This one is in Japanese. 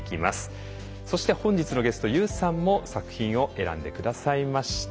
そして本日のゲストＹＯＵさんも作品を選んで下さいました。